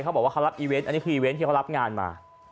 เขาบอกว่าเขารับอีเวนต์อันนี้คืออีเวนต์ที่เขารับงานมา